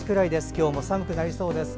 今日も寒くなりそうです。